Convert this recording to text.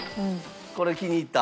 これ気に入った？